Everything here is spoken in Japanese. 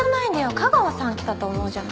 架川さん来たと思うじゃない。